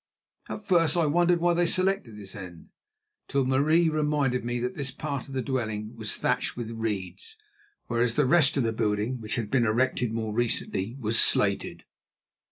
At first I wondered why they selected this end, till Marie reminded me that this part of the dwelling was thatched with reeds, whereas the rest of the building, which had been erected more recently, was slated.